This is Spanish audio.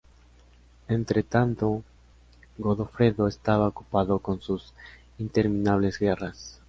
Entretanto, Godofredo estaba ocupado con sus interminables guerras.